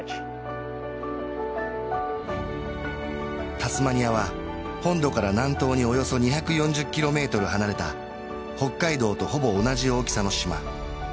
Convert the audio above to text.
タスマニアは本土から南東におよそ２４０ｋｍ離れた北海道とほぼ同じ大きさの島